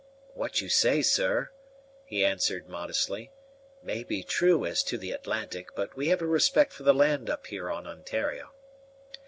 "What you say, sir," he answered modestly, "may be true as to the Atlantic; but we have a respect for the land up here on Ontario."